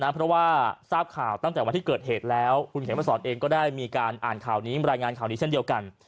เพราะว่าทราบข่าวตั้งแต่วันที่เกิดเหตุแล้วคุณเขมสอนเองก็ได้มีการอ่านข่าวนี้รายงานข่าวนี้เช่นเดียวกัน